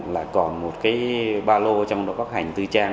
là còn một cái ba lô trong đội bác hành tư trang